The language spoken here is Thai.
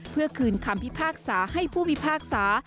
เพื่อคืนคำวิภาคศาให้ผู้วิภาคศา